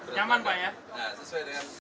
nyaman pak ya